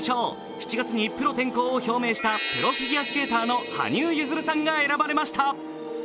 ７月にプロ転向を表明したプロフィギュアスケーターの羽生結弦さんが選ばれました。